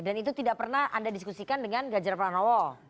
dan itu tidak pernah anda diskusikan dengan gajar pranowo